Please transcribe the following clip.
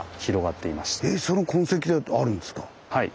はい。